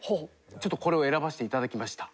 ちょっとこれを選ばせていただきました。